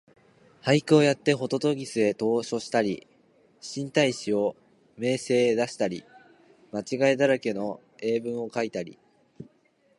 俳句をやってほととぎすへ投書をしたり、新体詩を明星へ出したり、間違いだらけの英文をかいたり、